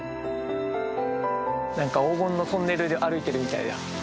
何か黄金のトンネル歩いてるみたいだよ。